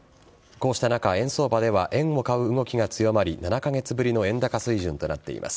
こうした中、円相場では円を買う動きが強まり７カ月ぶりの円高水準となっています。